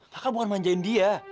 kakak bukan manjain dia